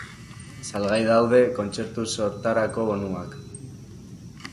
Salgai daude kontzertu sortarako bonuak.